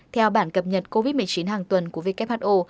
theo bản cập nhật covid một mươi chín hàng tuần của who